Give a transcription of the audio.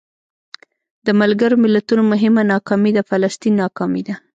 د ملګرو ملتونو مهمه ناکامي د فلسطین ناکامي ده.